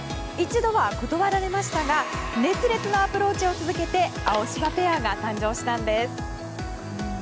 一度は断られましたが熱烈なアプローチを続けてアオシバペアが誕生したんです。